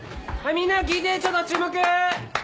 みんな聞いてちょっと注目！